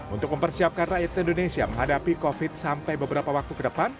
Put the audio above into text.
untuk mempersiapkan rakyat indonesia menghadapi covid sampai beberapa waktu ke depan